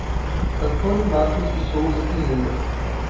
Antônio Marcos de Souza Pinheiro